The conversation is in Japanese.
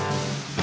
え？